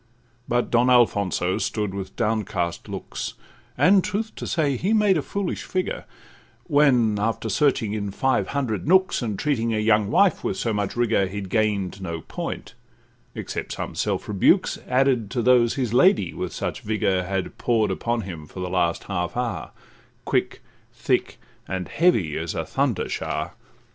But Don Alfonso stood with downcast looks, And, truth to say, he made a foolish figure; When, after searching in five hundred nooks, And treating a young wife with so much rigour, He gain'd no point, except some self rebukes, Added to those his lady with such vigour Had pour'd upon him for the last half hour, Quick, thick, and heavy—as a thunder shower.